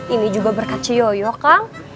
ini juga berkat cioyo kang